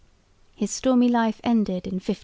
His stormy life ended in 1590.